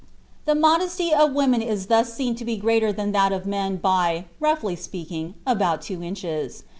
The modesty of women is thus seen to be greater than that of men by, roughly speaking, about two inches.